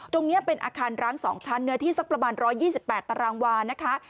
ตรงนี้เป็นอาคารร้าง๒ชั้นเนื้อที่สักประมาณ๑๒๘ตารางวานะคะ